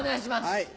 はい。